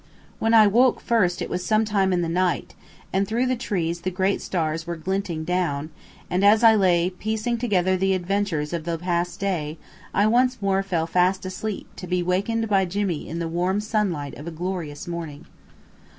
When I woke first it was sometime in the night, and through the trees the great stars were glinting down, and as I lay piecing together the adventures of the past day I once more fell fast asleep to be awakened by Jimmy in the warm sunlight of a glorious morning.